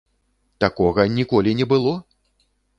Такога ніколі не было!